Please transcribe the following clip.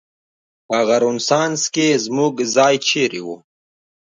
په هغه رنسانس کې زموږ ځای چېرې و؟